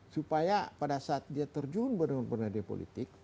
supaya pada saat dia terjun benar benar di politik